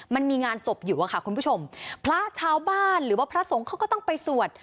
มันมีงานศพอยู่อะค่ะคุณผู้ชมพระชาวบ้านหรือว่าพระสงฆ์เขาก็ต้องไปสวด